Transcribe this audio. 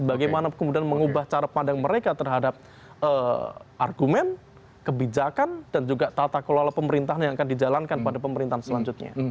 bagaimana kemudian mengubah cara pandang mereka terhadap argumen kebijakan dan juga tata kelola pemerintahan yang akan dijalankan pada pemerintahan selanjutnya